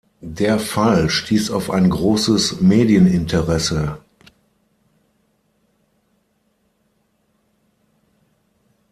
Der Fall stieß auf ein großes Medieninteresse.